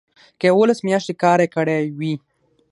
که یوولس میاشتې کار یې کړی وي.